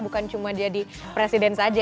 bukan cuma jadi presiden saja